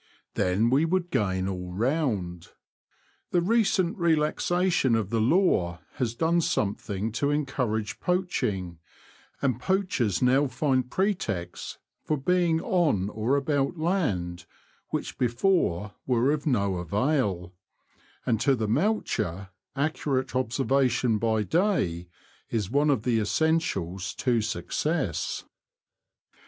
Then we would gain all round. The recent relaxation of the law has done something to encourage poaching, and poachers now find pretexts for being on or about land which before were of no avail, and to the moucher accurate obser vation by day is one of the essentials to success.